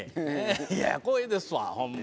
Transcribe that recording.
いや光栄ですわホンマ。